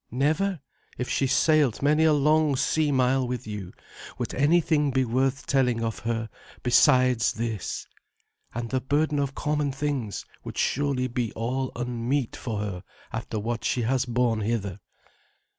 Never, if she sailed many a long sea mile with you, would anything be worth telling of her besides this. And the burden of common things would surely be all unmeet for her after what she has borne hither."